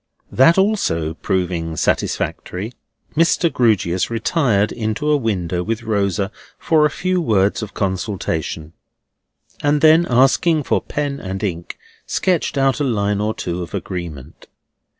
That also proving satisfactory, Mr. Grewgious retired into a window with Rosa for a few words of consultation, and then asking for pen and ink, sketched out a line or two of agreement.